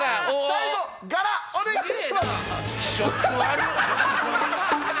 最後柄お願いします。